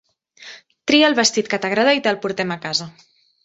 Tria el vestit que t'agrada i te'l portem a casa.